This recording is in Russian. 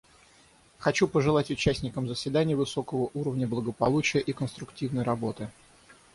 Хочу пожелать участникам заседания высокого уровня благополучия и конструктивной работы.